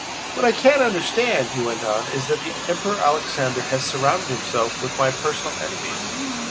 "What I can't understand," he went on, "is that the Emperor Alexander has surrounded himself with my personal enemies.